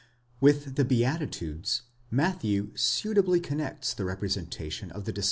l® With the beatitudes, Matthew suitably connects the representation of the 11 De Wette, exeg.